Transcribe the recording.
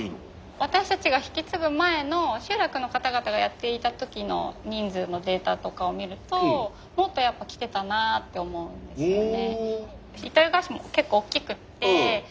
私たちが引き継ぐ前の集落の方々がやっていた時の人数のデータとかを見るともっとやっぱ来てたなって思うんですよね。